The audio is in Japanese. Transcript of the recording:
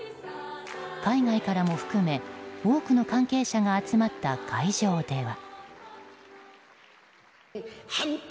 海外からも含め、多くの関係者が集まった会場では。